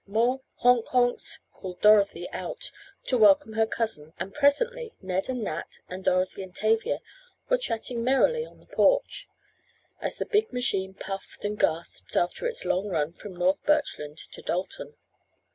More "honk honks" called Dorothy out to welcome her cousins, and presently Ned and Nat, and Dorothy and Tavia were chatting merrily on the porch, as the big machine puffed and "gasped" after its long run from North Birchland to Dalton.